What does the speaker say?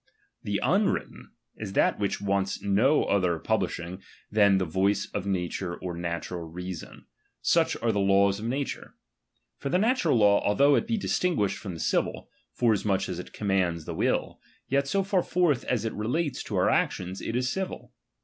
^1 The unwritten, is that which wants no other pub ^1 lishing than the voice of nature or natural reason ; ^B such are the laws of nature. For the natural law, ^M although it be distinguished from the civil, foras ^1 much as it commands the will ; yet so far forth as ^1 it relates to our actions, it is civil.